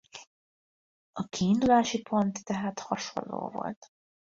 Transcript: A kiindulási pont tehát hasonló volt.